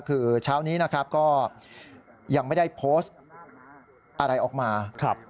คือเช้านี้นะครับก็ยังไม่ได้โพสต์อะไรออกมา